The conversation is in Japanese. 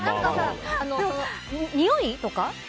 においとか。